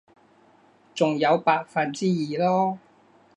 仲有百分之二囉